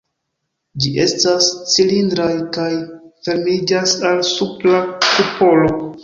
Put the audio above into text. Ĝi estas cilindraj kaj fermiĝas al supra kupolo.